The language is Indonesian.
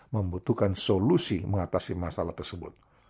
membutuhkan solusi mengatasi masalah tersebut